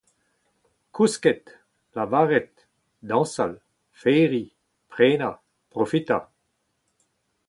kousket, lavaret, dañsal, feriñ, prenañ, profitañ